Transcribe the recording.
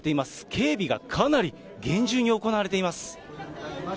警備がかなり厳重に行われています。